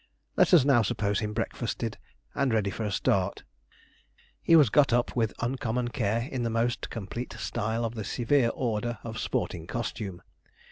Let us now suppose him breakfasted, and ready for a start. He was 'got up' with uncommon care in the most complete style of the severe order of sporting costume.